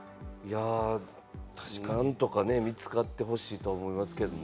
何とか見つかってほしいと思いますけれどもね。